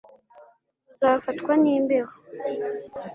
uzafatwa n'imbeho